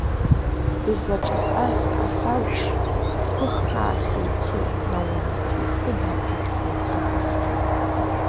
Дызлаҿаҳәаз аҳәагәжь ԥыххааса ицеит, наунагӡа ихы дақәиҭхеит Абрыскьыл!